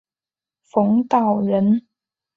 冯道人。